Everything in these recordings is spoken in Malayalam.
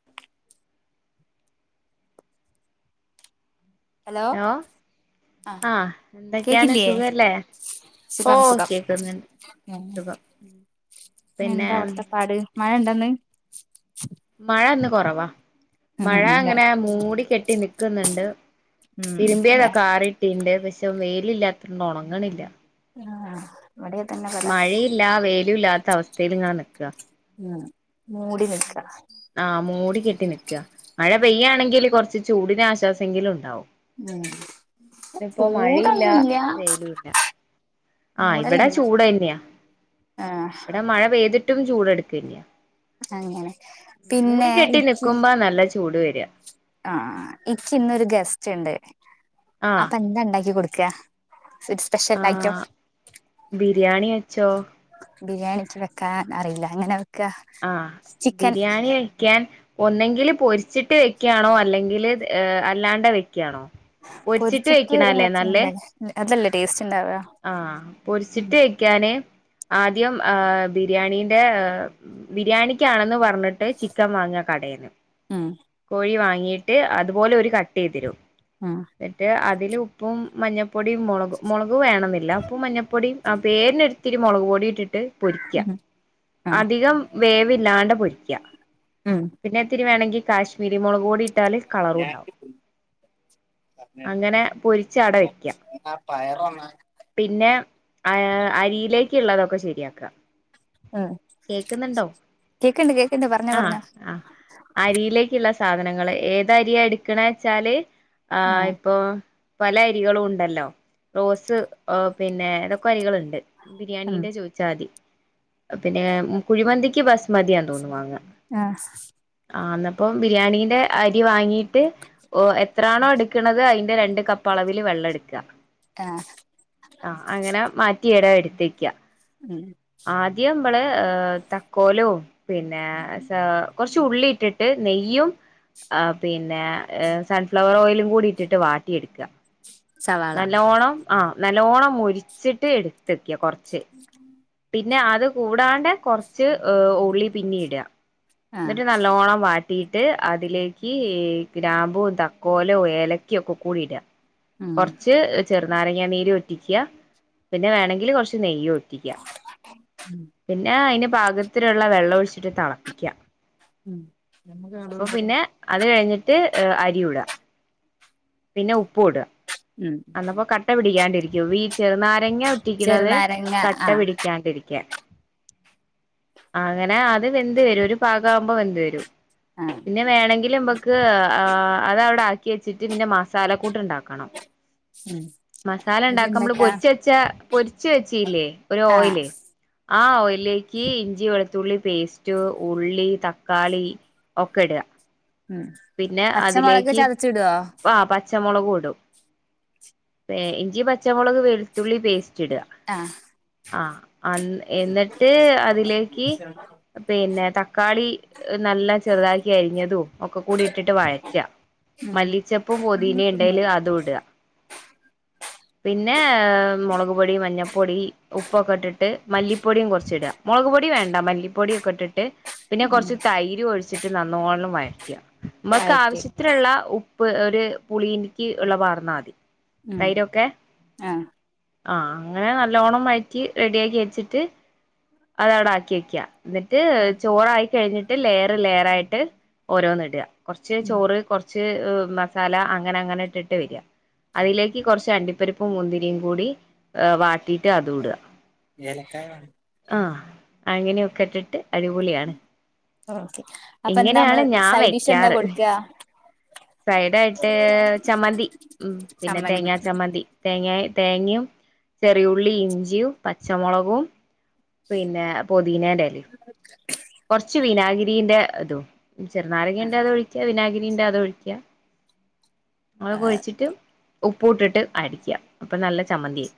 [unintelligible] ഹലോ ആഹ് എന്തൊക്കെയാണ് ആഹ് സുഖല്ലേ ഓ സുഖം സുഖം കേക്ക്ന്ന്ണ്ട് സുഖം പിന്നെ ന്നെന്താ അവ്ട്ത്തെ പാട് മയണ്ടന്ന് മഴന്ന് കൊറവാ മഴ ഉം ഇല്ല അങ്ങനെ മൂടിക്കെട്ടി നിക്ക്ന്ന്ണ്ട് ഉം തിരുമ്പിയതൊക്കെ ആറിട്ടിണ്ട് പക്ഷെ വെയ്ലില്ലാത്തോണ്ട് ഒണങ്ങ്ണില്ല ആഹ് ഇവിടേ അതന്നാ മഴയില്ല വെയ്ലൂല്ലാത്ത അവസ്ഥേല്ങ്ങനെ നിക്ക ഉം മൂടി നിക്ക ആഹ് മൂടിക്കെട്ടി നിക്ക മഴ പെയ്യാണെങ്കില് കൊർച്ച് ചൂടിനാശ്വാസെങ്കിലുണ്ടാവും ഉം ഇത്പ്പൊ മഴയില്ല ചൂടൊന്നുല്ല വെയ്ലൂല്ല ആഹ് ഇവിടെ മൂടലന്നെ ചൂടെന്നെയാ ആഹ് ഇവിടെ മഴ പെയ്തിട്ടും ചൂടെട്ക്കന്നെയാ അങ്ങനെ മൂടി പിന്നെ കെട്ടി ഇക്ക് നിക്കുമ്പാ നല്ല ചൂട് വര ആഹ് ഇക്ക്ന്നൊര് ഗസ്റ്റ്ണ്ട് ആഹ് അപ്പെന്താണ്ടാക്കി കൊട്ക്ക സിസ് സ്പെഷ്യൽ ഐറ്റം ആഹ് ബിരിയാണി വെച്ചോ ബിരിയാണിക്ക് വെക്കാൻ അറിയില്ല അങ്ങനെ ആഹ് ബിരിയാണിയയ് ക്കാൻ ഒന്നെങ്കില് പൊരിച്ചിട്ട് വെക്ക്യാണോ അല്ലെങ്കില് എ അല്ലാണ്ടെ വെക്ക്യാണോ? പൊരിച്ചിട്ട് വെക്ക്ണല്ലേ നല്ലേ അതല്ലേ ടേസ്റ്റ് ഇണ്ടാവ ആഹ് ഉം പൊരിച്ചിട്ട് വെ ക്കാന് ആദ്യം ആ ബിരിയാണീന്റെ ബിരിയാണിക്കാണെന്ന് പർ പർഞിട്ട് ചിക്കൻ വാങ്ങ കടേന്ന് ഉം കോഴി വാങ്ങീട്ട് അതുപോലോര് കട്ടെയ്തരും അഹ് എന്നിട്ട് അതില് ഉപ്പും മഞ്ഞപ്പൊടിയും മൊളക് മൊളക് വേണന്നില്ല ഉപ്പും മഞ്ഞപ്പൊടിയും അഹ് പേരിനൊരിത്തിരി മുളക് പൊടീട്ടിട്ട് ഉം ആഹ് അധികം വേവില്ലാണ്ട് പൊരിക്ക ഉം പിന്നെത്തിരി വേണെങ്കി കാശ്മീരി മൊളക് കൂടി ട്ടാല് കളറൂണ്ടാവും അങ്ങനെ പൊരിച്ചാടെവെക്ക പയറോന്ന- പിന്നെ ആ അരിയിലേക്കുള്ളതൊക്കെ ശരിയാക്ക ഉം കേക്ക്ന്ന്ണ്ടോ? പറഞ്ഞോ ആഹ് പറഞ്ഞോ ആഹ് അരിയിലേക്ക്ള്ള സാധനങ്ങള് ഏതരിയാ എട്ക്ക്ണേച്ചാല് ആഹ് ഇപ്പൊ പല അരികളുണ്ടല്ലോ റോസ് അ പിന്നെ ഏതക്കൊ അരികള്ണ്ട് ഉം ബിരിയാണീന്റെ ചോയ്ച്ചാതി പിന്നെ കുഴിമന്തിക്ക് ബസ്മതിയാ തോന്ന്ന്നു വാങ്ങ ആഹ് ആന്നപ്പം ബിരിയാണീന്റെ അരി വാങ്ങീട്ട് ഓഹ് എത്രാണോ എട്ക്ക്ണത് അയ്ന്റെ രണ്ട് കപ്പളവില് വെള്ളട്ക്ക ആഹ് ആഹ് അങ്ങനെ മാറ്റിയേടെ എട്ത്തെക്ക ഉം ആദ്യം മ്മള് തക്കോലോം പിന്നെ സെ കൊർച്ചുള്ളീട്ട്- ട്ട് നെയ്യും അ പിന്നെ എ സൺഫ്ലവറോയിലും കൂടിട്ടിട്ട് വാട്ടിയെട്ക്ക സവാള നല്ലോണം ആ നല്ലോണം മുരിച്ചിട്ട് എട്ത്തെക്ക കൊർച്ച് [unintelligible] പിന്നെ അത് കൂടാണ്ടെ കൊർച്ച് എഹ് ഉള്ളി പിന്നീട ആഹ് ഇന്ന്ട്ട് നല്ലോണം വാ ട്ടീട്ട് അതിലേക്ക് ഈ ഗ്രാമ്പും തക്കോലും ഏലക്കിം ഒക്കെക്കൂടിട ഉം കൊർച്ച് ചെറ്നാരങ്ങ നീരൂറ്റിക്ക പിന്നെ വേണങ്കില് കൊർച്ച് നെയ്യും ഉം പിന്നെ അതിന് പാകത്തിലുള്ള വെള്ള ഒഴിച്ചിട്ട് തിളപ്പിക്കുക ഉം അപ്പൊ നമുക്ക് പിന്നെ അത് കഴിഞ്ഞിട്ട് അരി ഇട പിന്നെ ഉപ്പ് ഇടുക ഉം അന്നപ്പോ കട്ട പിടിക്കാണ്ടിരിക്കും വീ ചെറുനാരങ്ങ ഒറ്റിക്കണത് ചെറുനാരങ്ങ കട്ട ആഹ് പിടിക്കാണ്ടരിക്ക അങ്ങനെ അത് വെന്ത് വരും ഒരു പാക ആവുമ്പോ വെന് വരും ആഹ് പിന്നെ വേണമെങ്കിലിൽ അതവിടെ ആക്കി വെച്ചിട്ട് പിന്നെ മസാല കൂട്ട ഉണ്ടാക്കണം ഉം മസാല ഉണ്ടാക്കുമ്പോള് പൊരിച്ച് വെച്ചാ പൊരിച്ച് വെച്ചല്ലേ ഒരു ആഹ് ഓയില് ആഹ് ഓയിലിലേക്ക് ഇഞ്ചി വെളുത്തുള്ളി പേസ്റ്റ് ഉള്ളി തക്കാളി ഒക്കെ ഇടുക ഉം പിന്നെ പച്ചമുളക് അതിലേക്ക് ചതച്ചിടോ ആഹ് പച്ചമുളക് ഇടും ഇഞ്ചി പച്ചമുളക് വെളുത്തുള്ളി പേസ്റ്റ് ഇടുക ആഹ് ആഹ് അഹ് എന്നിട്ട് അതിലേക്ക് പിന്നെ തക്കാളി നല്ല ചെറുതാക്കി അരിഞ്ഞതും ഒക്കെ കൂടി ഇട്ടിട്ട് വഴച്ച ഉം മല്ലിച്ചപ്പും പൊതീന ഉണ്ടൽ അത് ഇടുക [inaudible] പിന്നെ മുളക് പൊടി മഞ്ഞൾപ്പൊടി ഉപ്പൊക്കെ ഇട്ടിട്ട് മല്ലിപ്പൊടിയും കുറച്ച് ഇടുക മുളക് പൊടി വേണ്ട മല്ലിപ്പൊടിയൊക്കെ ഇട്ടിട്ട് പിന്നെ ഉം കുറച്ച് തൈര് ഒഴിച്ചിട്ട് നന്നോണം വഴറ്റുക നമ്മൾക്ക് വഴറ്റിയെടു ആവശ്യത്തിനുള്ള ഉപ്പ് ഒരു പുളിനിക്ക് ഉള്ള പാർന്നാൽ മതി ഉം തൈരൊക്കെ ആഹ് ആഹ് അങ്ങനെ നല്ലോണം മാറ്റി റെഡി ആക്കി വെച്ചിട്ട് അത് അവിടെ ആക്കി വെക്കാ എന്നിട്ട് ചോറായി കഴിഞ്ഞിട്ട് ലെയറ് ലെയർ ആയിട്ട് ഓരോന്ന് ഇടുക കുറച്ച് ഉം ചോറ് കുറച്ച് മസാല അങ്ങനെ അങ്ങനെ ഇട്ടിട്ട് വരിക അതിലേക്ക് കുറച്ച് അണ്ടിപ്പരിപ്പും മുന്തിരിയും കൂടി വാട്ടിയിട്ട് അത് ഇടുക എനക്ക ആഹ് അങ്ങനെയൊക്കെ ഇട്ടിട്ട് അടിപൊളിയാണ് ഓക്കെ അപ്പ എന്താ ഇങ്ങനെയാണ് നമ്മള് ഞാൻ സൈഡ് ഡിഷ് എന്താ കൊടുക്കുക സൈഡ് ആയിട്ട് ചമ്മന്തി ഉം പിന്നെ ചമ്മന്തി തേങ്ങാ ചമ്മന്തി തേങ്ങ തേങ്ങയും ചെറിയുള്ളി ഇഞ്ചിയും പച്ചമുളകും പിന്നെ പൊതിനേൻ്റെ ഇലയും [inaudible] കുറച്ച് വിനാഗിരിന്റെ അതോ ചെറുനാരക ഉന്റെ അതോ ഒഴിക്കാ വിനാഗിരിന്റെ അതോ ഒഴിക്കുക [unintelligible] ഒഴിച്ചിട്ട് ഉപ്പ ഇട്ടിട്ട് അടിക്കുക അപ്പൊ നല്ല ചമ്മന്തിയ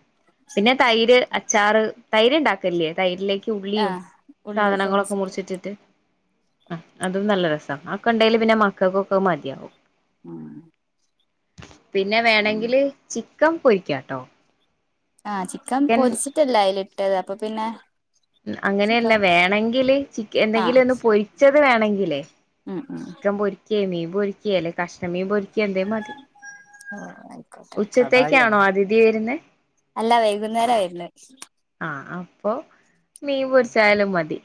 പിന്നെ തൈര് അച്ചാറ് തൈര്ണ്ടാക്കല്ലേ തൈരിലേക്ക് ഉള്ളിയും ആഹ് ഉള്ളിയൊക്കെ സാധനങ്ങളൊക്കെ [unintelligible] മുറിച്ചിട്ട് അതും നല്ല രസമാണ് ആഹ് ഒക്കെണ്ടേൽ പിന്നെ മക്കക്കൊക്കെ മതിയാവും ഉം പിന്നെ ഉം വേണെങ്കില് ചിക്കൻ പൊരിക്കാട്ടോ ആഹ് ചിക്കൻ പൊരിച്ചിട്ടല്ലേ അതില് ഇട്ടത് അപ്പൊ പിന്നെ ചിക്കൻ അങ്ങനെയല്ല വേണെങ്കില് ചിക്ക എന്തെങ്കിലും ആഹ് ഒന്ന് പൊരിച്ചത് വേണെങ്കിലേ ഉം ഉം [unintelligible] പൊരിക്കേ മീൻ പൊരിക്കിയല്ലെ കഷ്ണം മീ പൊരിക്ക എന്തേ മതി ആയിക്കോട്ടെ ഉച്ചത്തേക്കാണോ അതിഥി വരുന്നേ അല്ല വൈകുന്നേരമായിരുന്നു ആഹ് അപ്പൊ മീൻ പൊറിച്ചായാലും മതി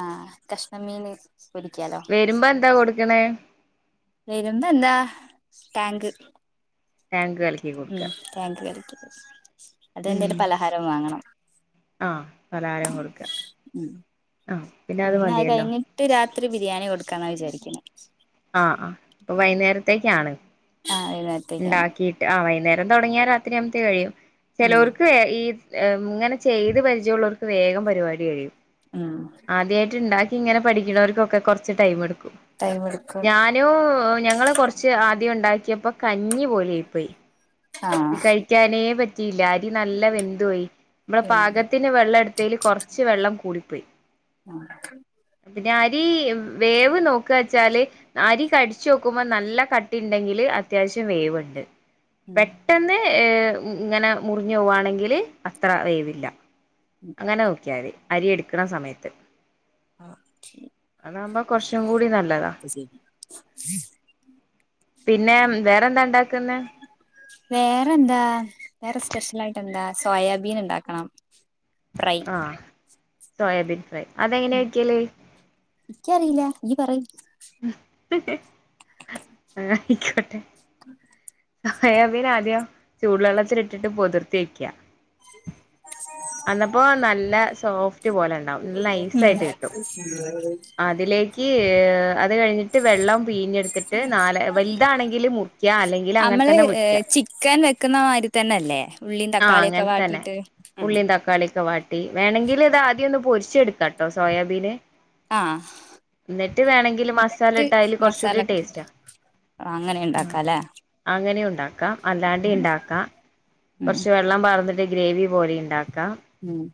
ആഹ് കഷ്ണം മീന് പൊരിക്കാലോ വരുമ്പോ എന്താ കൊടുക്കണേ വരമ്പ എന്താ ടാങ്ക് ടാങ്ക് കല ഉം ടാങ്ക് കലക്കിപ്പൊ. ഉം അതെന്തേലും പലഹാരം വാങ്ങണം. ആഹ് പലഹാരം കൊട്ക്കാ. ഉം ആഹ് പിന്നെ അത് മതിയല്ലോ. ട്ട് രാത്രി ബിരിയാണി കൊട്ക്കാന്നാ വിചാരിക്ക്ന്നെ. ആഹ് ആഹ് അപ്പൊ വൈന്നേരത്തേക്കാണ്. ആഹ് വൈന്നേര ഇണ്ടാക്കീട്ട്, ആഹ് വൈന്നേരം തൊടങ്ങിയാ രാത്രിയാക്മ്പത്തേക്ക് കഴിയും. ഉം ചെലോർക്ക് ഏഹ് ഈ ഏഹ് ഉം ഇങ്ങനെ ചെയ്ത് പരിചയള്ളോർക്ക് വേഗം പരിപാടി കഴിയും. ഉം. ആദ്യായിട്ട്ണ്ടാക്കി ഇങ്ങനെ പഠിക്കുണോർക്കൊക്കെ കൊർച്ച് ടൈം എടുക്കും. ടൈമെടുക്കും. ലോ ഞങ്ങള് കൊറച്ച് ആദ്യം ഇണ്ടാക്കിയപ്പോ കഞ്ഞി പോലെയായിപ്പോയി. ആഹ് ത് കഴിക്കാനേ പറ്റിയില്ല. അരി നല്ല വെന്ത് പോയി. നമ്മുടെ എന്ത് പാകത്തി ല് വെള്ളം എടുത്തേല് കൊർച്ച് വെള്ളം കൂടിപ്പോയി. ആഹ്. പിന്നെ അരി വേവ് നോക്ക്വാച്ചാല് അരി കടിച്ചോക് ക്കുമ്പോ നല്ല കട്ടിണ്ടെങ്കില് അത്യാവശ്യം വേവ്ണ്ട്. ഉം പെട്ടെന്ന് ഈഹ് ഇങ്ങനെ മുറിഞ്ഞു പോവാണെങ്കില് അത്ര വേവില്ല. ഉം അങ്ങനെ നോക്കിയാതി അരി എട്ക്കണ സമയത്ത്. Okay. അതാകുമ്പോ കൊറച്ചും കൂടി നല്ലതാ. പിന്നെ ഉം. വേറെന്താ ഉണ്ടാക്കുന്നെ വേറെന്താ, വേറെ സ്പെഷ്യലായിട്ടെന്താ സോയാബീൻ ഇണ്ടാക്കണം. ആഹ്, സോയാബീൻ ഫ്രൈ. അതെങ്ങനെയാ വെക്കല്? ഇക്കറീല്ല. ഇഞ്ഞ്‌ പറയ്. ആയിക്കോട്ടെ. സോയാബീനാദ്യം ചൂടുവെള്ളത്തിലിട്ടിട്ട് പൊതിർത്തി വെയ്ക്കാ. അന്നപ്പോ നല്ല സോഫ്റ്റ് പോലെണ്ടാവും. ഉം നൈസായിട്ട് കിട്ടും. ക്ക് അത് കഴിഞ്ഞിട്ട് വെള്ളം പീഞ്ഞെട്ത്തിട്ട് നാല്, വൽതാണെങ്കില് മുറിക്ക്യാ അല്ലെങ്കി അമ്മള് ഈഹ് ചിക്കൻ വെക്ക്ന്ന മായ്രി തന്നെയല്ലേ? ഉള്ളിയും ആഹ് തക്കാളിയൊക്കെ അങ്ങനെ തന്നെ വാട്ടീട്ട്. ഉള്ളിയും തക്കാളിയൊക്കെ വാട്ടി. വേണെങ്കിൽ ഇതാദ്യം ഒന്ന് പൊരിച്ചെട്ക്കാട്ടോ സോയാബീന്. ആഹ്. എന്നിട്ട് വേണെങ്കിൽ എന്നിട്ട് മസാലട്ടാ അയ്ല് മസാല കൊർച്ചൂടി ഒക്കെ ഇട്ടിട്ട് ടേസ്റ്റാ. അങ്ങനെ അഹ് ഉണ്ടാക്കാല്ലേ അങ്ങനെയുണ്ടാക്കാ അല്ലാണ്ടേ ഇണ്ടാക്കാ. ഉം കൊർച്ച് വെള്ളം പാർന്നിട്ട് ഗ്രേവി പോലെ ഇണ്ടാക്കാ. ഉം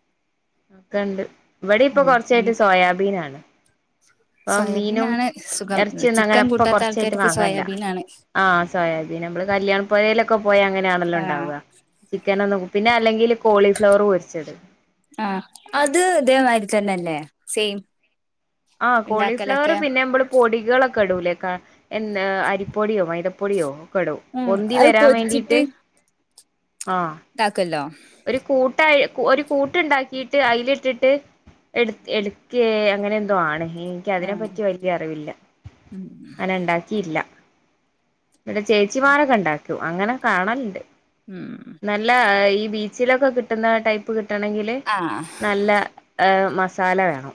ഒക്കണ്ട്. ഇവിടെ ഇപ്പൊ കൊറച്ചായിട്ട് അങ്ങനെ സോയാബീനാണ്. ഇപ്പൊ മീനും സോയാബീനാണ് സുഖം എറച്ചിയൊന്നു അങ്ങനെ ചിക്കൻ ഇപ്പൊ കൂട്ടാത്ത കൊർച്ചായിട്ട് ആൾക്കാർക്ക് വാങ്ങല്ല. സോയാബീനാണ് ആഹ് സോയാബീൻ. നമ്മള് കല്യാണപ്പൊരേലൊക്കെ പോയാ അങ്ങനെയാണല്ലോ ആഹ് ഇണ്ടാവാ. ചിക്കനൊന്നും, പിന്നെ അല്ലെങ്കില് കോളിഫ്ലവർ പൊരിച്ചത്. ആഹ് അത് ഇതേമാരി തന്നെല്ലേ, സെയിം? ആഹ് കോളിഫ്ലവറ് ഉണ്ടാക്കലൊക്കെ പിന്നെ ഇമ്മള് പൊടികളൊക്കെ ഇടൂലേ കാ എന്ന് അരിപ്പൊടിയോ മൈദപ്പൊടിയോ ഒക്കെടും. ഉം പൊന്തി അത് വരാൻ വേണ്ടീട്ട്. ആഹ്. താക്കല്ലോ. ഒരു കൂട്ടായി ഒരു കൂട്ട്ണ്ടാക്കീട്ട് അയ്‌ലിട്ടിട്ട് എട്ത് എട്ക്കേ, അങ്ങനെന്തോ ആണ്. എനിക്ക് അതിനെ ആഹ് പറ്റി വല്യ അറിവില്ല. ഉം അത് ഞാൻ ഇണ്ടാക്കീല്ല. ഇവിടെ ചേച്ചിമാരൊക്കെണ്ടാക്കും അങ്ങനെ കാണലുണ്ട് ഉംഉം നല്ല ഈ ബീച്ചിലൊക്കെ കിട്ടുന്ന ടൈപ്പ് കിട്ടണെങ്കില് ആഹ് നല്ല ഏഹ് മസാല വേണം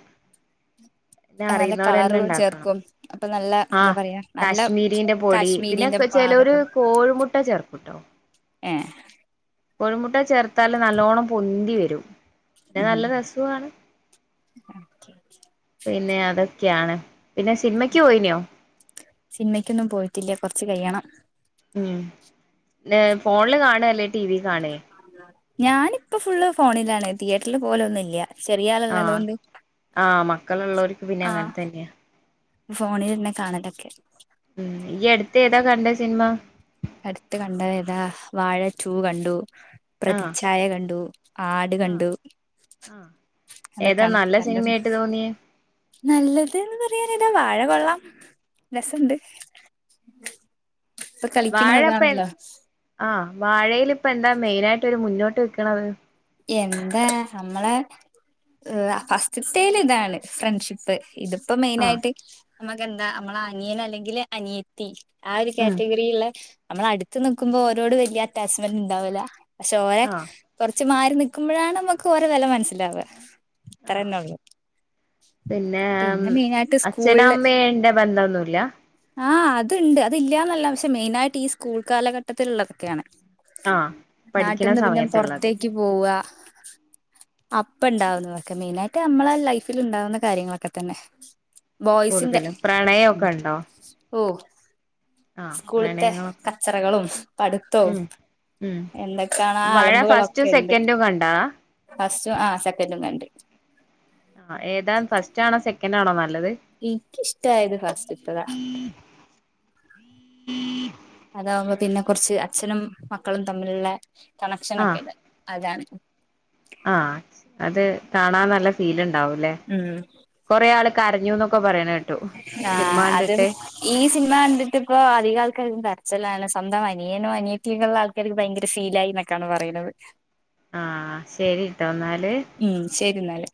പിന്നെ നല്ല അറിയുന്നവർ കളറ് തന്നെ ഉണ്ടാക്കണം. ചേർക്കും അപ്പൊ നല്ല എന്താ ആഹ് പറയാ നല്ല കാശ്മീരിന്റെ പൊടി പിന്നെ കാശ്മീരിന്റെ ചെലരു പാതൊക്കെ കോഴിമുട്ട ചേർക്കുട്ടോ. ഏഹ് കൊഴിമുട്ട ചേർത്താല് നല്ലോണം പൊന്തി വരും പിന്നെ ഉം നല്ല രസവുമാണ് പിന്നെ അതൊക്കെയാണ്. പിന്നെ സിനിമക്ക് പോയിനോ? സിനിമയ്ക്കൊന്നും പോയിട്ടില്ല കുറച്ച് കഴിയണം. ഉം ഫോണില് കാണേ അല്ലേ ടിവി കാണേ? ഞാനിപ്പോ ഫുള്ള് ഫോണിലാണ്. തിയേറ്ററിൽ പോലെ ഒന്നും ല്ല. ചെറിയാളുള്ളതു ആഹ് കൊണ്ട് ആഹ് മക്കളുള്ളവർക്ക് പിന്നെ അങ്ങനെ ആഹ് തന്നെയാ ഫോണിൽ തന്നെ കാണലൊക്കെ ഉം ഈ അടുത്ത് ഏതാ കണ്ട സിനിമ? അടുത്ത് കണ്ടത് ഏതാ വാഴ ടു കണ്ടു. ആഹ് പ്രതിച്ഛായ കണ്ടു. ആട് ആഹ് കണ്ടു. ആഹ് ഏതാ നല്ല സിനിമയായിട്ട് തോന്നിയ? നല്ലത് എന്ന് പറയാൻ ഏതാ വാഴ കൊള്ളാം രസണ്ട്. ഇപ്പത്തെ വാഴ ഇപ്പൊ എൻ ആഹ്‌ വാഴയിൽ ഇപ്പ എന്താ മെയിനായിട്ട് ഒരു മുന്നോട്ട് നിക്കണത്? എന്താ നമ്മളെ ഫസ്റ്റിത്തേൽ ഇതാണ് ഫ്രണ്ട്ഷിപ്പ്. ഇതിപ്പോ മെയിന ആഹ് ആയിട്ട് നമ്മുക്ക് എന്താ നമ്മള് അനിയൻ അല്ലെങ്കിൽ അനിയത്തി ആ ഒരു ഉം കാറ്റഗറിയിലുള്ള നമ്മൾ അടുത്ത് നിക്കുമ്പോ ഓരോട് വല്ല്യ അറ്റാച്ച്മെന്റ് ഉണ്ടാവൂല. പക്ഷേ ഒരേ ആഹ് ച്ച് മാറി നിക്കുമ്പോഴാണ് നമ്മുക്ക് ഓരെ വില മനസ്സിലാവ അത്ര ആഹ് തന്നെ ഉള്ളൂ. പിന്നെ അച്ഛനും അമ്മേന്റെ ബന്ധം ഒന്നുല്ല? ആഹ് അതുണ്ട് അത് ഇല്യാന്നല്ല പക്ഷെ മെയിനായിട്ട് ഈ സ്കൂൾ കാലഘട്ടത്തിലുള്ളതൊക്കെയാണ്. ആഹ് പഠിക്കണ നാട്ടിന്ന് പിന്നെ സമയത്തുള്ളത് പുറത്തേക്ക് പോവ അപ്പ ഉണ്ടാവുന്നതൊക്കെ മെയിനായിട്ട് നമ്മളെ ലൈഫിൽ ഉണ്ടാവുന്ന കാര്യങ്ങളൊക്കെ തന്നെ. ബോയ്സിന്റെ കൂടുതലും പ്രണയമൊക്കെ ഉണ്ടോ ഓഹ് ആഹ് സ്കൂളത്തെ പ്രണയങ്ങളൊക്കെ കച്ചറകളും പഠുത്തും ഉം ഉം എന്തൊക്കെയാണോ ആ വാഴ ഫസ്റ്റും അലമ്പുകളൊക്കെ ഉണ്ട്. സെക്കൻഡും കണ്ടാ ഫസ്റ്റും ആഹ് സെക്കന്റു കണ്ട്. ആഹ് ഏതാ ഫസ്റ്റ് ആണോ സെക്കന്റ് ആണോ നല്ലത്? എനിക്ക് ഇഷ്ട ആയത് ഫാസ്റ്റ്ത്തതാ. അതാകുമ്പോ പിന്നെ കുറച്ച് അച്ഛനും മക്കളും തമ്മിലുള്ള ആഹ് കണക്ഷനൊക്കെയുണ്ട് അതാണ്. ആഹ് അത് കാണാൻ നല്ല ഫീൽ ഉണ്ടാവൂല്ലേ? ഉം കൊറെ ആൾ കരഞ്ഞുന്നൊക്കെ പറയണേ കേട്ടു ആ സിനിമ അത് കണ്ടിട്ട്. ഈ സിനിമ കണ്ടിട്ട് ഇപ്പൊ അധിക ആൾക്കാർക്കും കരച്ചിലാണ്. സ്വന്തം അനിയനോ അനിയത്തിയെക്കെ ഉള്ള ആൾ എനിക്ക് ഭയങ്കര ഫീലായി എന്നക്കെയാണ് പറയുന്നത്. ആഹ് ശരിട്ടോ എന്നാല്. ഉം ശരി ഇന്നാല്